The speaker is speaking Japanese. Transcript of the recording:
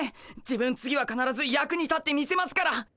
自分次はかならず役に立ってみせますからっ！